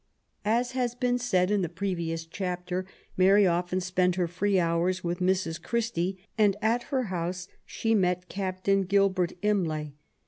As has been said in the previous chapter, Mary often sp6nt her free hours with Mrs. Christie, and at her house she met Captain Gilbert Imlay.